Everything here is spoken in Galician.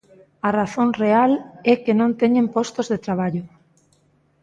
A razón real é que non teñen postos de traballo.